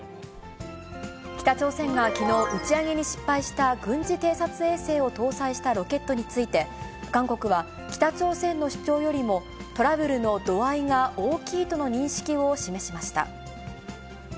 北朝鮮がきのう、打ち上げに失敗した軍事偵察衛星を搭載したロケットについて、韓国は、北朝鮮の主張よりも、トラブルの度合いが大きいとの認識を示しました。